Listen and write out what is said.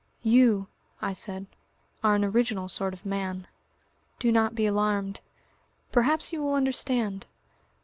"You," I said, "are an original sort of man. Do not be alarmed. Perhaps you will understand....